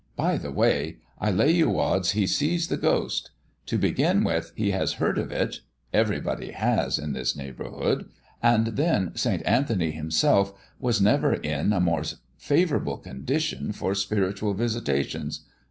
By the way, I lay you odds he sees the ghost. To begin with; he has heard of it everybody has in this neighbourhood; and then St. Anthony himself was never in a more favourable condition for spiritual visitations.